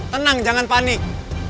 tenang jangan panik